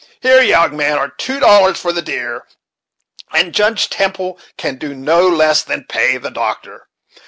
Here, young man, are two dollars for the deer, and Judge Temple can do no less than pay the doctor.